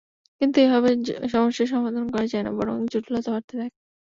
কিন্তু এভাবে সমস্যার সমাধান করা যায় না, বরং জটিলতা বাড়তে থাকে।